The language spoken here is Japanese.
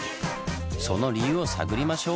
その理由を探りましょう！